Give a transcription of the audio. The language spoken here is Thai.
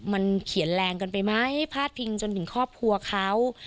มันเขียนแรงกันไปไหมพาดพิงจนถึงครอบครัวเขา